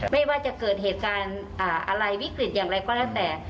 ไม่ว่าจะเกิดเหตุการณ์อะไรวิกฤตอย่างไรก็แล้วแต่